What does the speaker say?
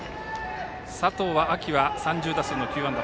佐藤は秋は３０打数の９安打。